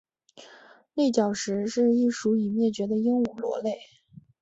内角石是一属已灭绝的鹦鹉螺类。